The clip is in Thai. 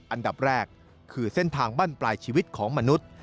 อันดับแรกคือเส้นทางบ้านปลายชีวิตของมนุษย์